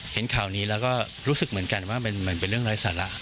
เห็นข่าวนี้แล้วก็รู้สึกเหมือนกันว่ามันเป็นเรื่องไร้สาระ